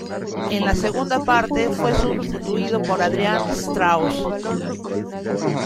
En la segunda parte, fue sustituido por Adriaan Strauss.